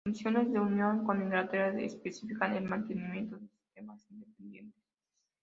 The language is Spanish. Las condiciones de unión con Inglaterra especifican el mantenimiento de sistemas independientes.